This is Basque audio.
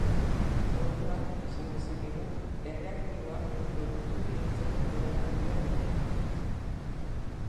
Orduan, esan dezakegu, erreaktiboak produktu bihurtzeko joera handia dutela.